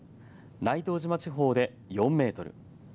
大東島地方で４メートル